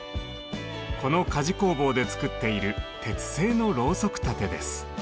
この鍛冶工房で作っている鉄製のロウソク立てです。